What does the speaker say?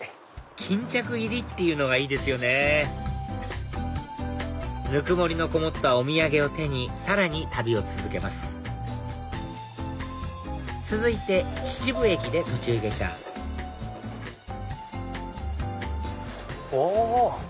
巾着入りっていうのがいいですよねぬくもりのこもったお土産を手にさらに旅を続けます続いて秩父駅で途中下車お！